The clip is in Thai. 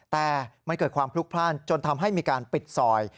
แต่มันเกิดความพลุกพลาดจนทำให้มีการปิดซอย